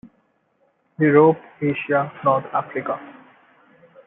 Europe, Asia, north Africa.